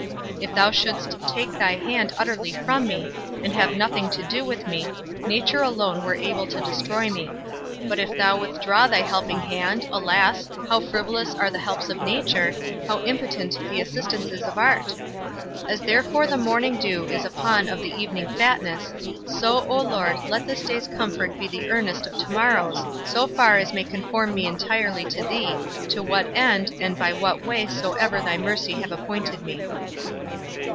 If thou shouldst take thy hand utterly from me, and have nothing to do with me, nature alone were able to destroy me; but if thou withdraw thy helping hand, alas, how frivolous are the helps of nature, how impotent the assistances of art? As therefore the morning dew is a pawn of the evening fatness, so, O Lord, let this day's comfort be the earnest of to morrow's, so far as may conform me entirely to thee, to what end, and by what way soever thy mercy have appointed me.